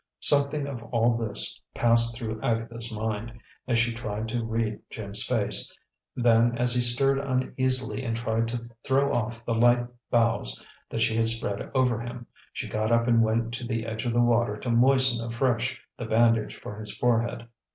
Something of all this passed through Agatha's mind, as she tried to read Jim's face; then, as he stirred uneasily and tried to throw off the light boughs that she had spread over him, she got up and went to the edge of the water to moisten afresh the bandage for his forehead.